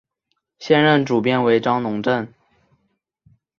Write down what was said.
现任主编为张珑正。